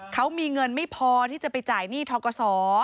เขามีเงินไม่พอที่จะไปจ่ายหนี้ทกศ